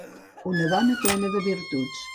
Una dona plena de virtuts.